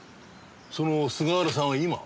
その菅原さんは今は？